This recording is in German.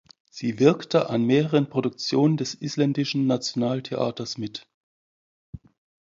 Sie wirkte an mehreren Produktionen des Isländisches Nationaltheater mit.